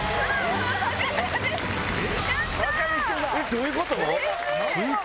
どういうこと？